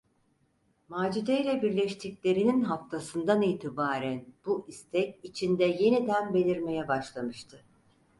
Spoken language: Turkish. Macide’yle birleştiklerinin haftasından itibaren bu istek, içinde yeniden belirmeye başlamıştı.